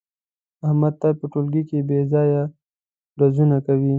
احمد تل په ټولگي کې بې ځایه ډزونه کوي.